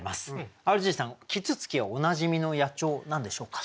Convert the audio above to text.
ＲＧさん啄木鳥はおなじみの野鳥なんでしょうか？